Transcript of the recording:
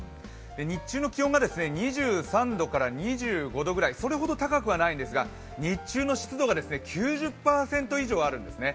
日中の気温が２３度から２５度ぐらいそれほど高くないんですが日中の湿度が９０％以上あるんですね。